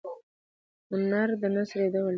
هنر نثر د نثر یو ډول دﺉ.